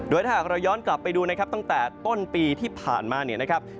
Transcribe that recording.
ถ้าหากเราย้อนกลับไปดูนะครับตั้งแต่ต้นปีที่ผ่านมาเนี่ยนะครับ